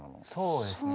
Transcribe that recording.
そうですね。